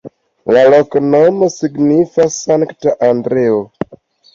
La loknomo signifas: Sankta Andreo.